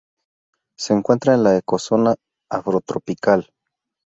Se encuentra en la Ecozona afrotropical.